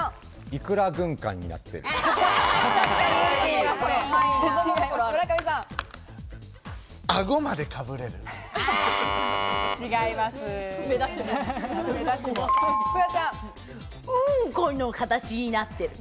いくら軍艦になってる。